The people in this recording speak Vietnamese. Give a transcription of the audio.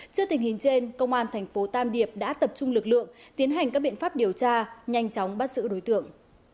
trước tình hình trên công an thành phố tam điệp đã tập trung lực lượng tiến hành các biện pháp điều tra nhanh chóng bắt giữ đối tượng